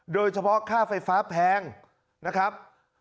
โดยเฉพาะค่าไฟฟ้าแพงนะครับ